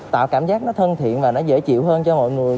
tạo cảm giác nó thân thiện và nó dễ chịu hơn cho mọi người